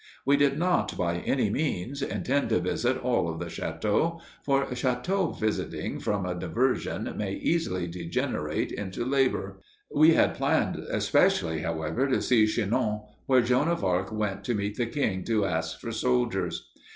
We did not, by any means, intend to visit all of the châteaux, for château visiting from a diversion may easily degenerate into labor. We had planned especially, however, to see Chinon, where Joan of Arc went to meet the king to ask for soldiers.